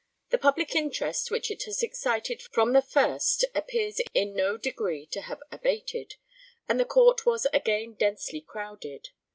The public interest which it has excited from the first appears in no degree to have abated, and the Court was again densely crowded.